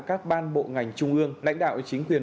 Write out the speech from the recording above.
các ban bộ ngành trung ương lãnh đạo chính quyền